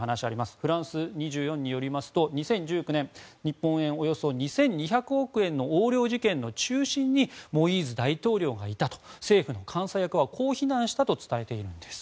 フランス２４によりますと２０１９年、日本円でおよそ２２００億円の横領事件に中心にモイーズ大統領がいたと政府の監査役はこう非難したと伝えているんです。